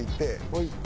置いて。